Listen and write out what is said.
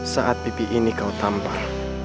saat pipi ini kau tampar